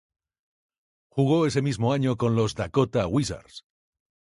Jugó ese mismo año con los Dakota Wizards.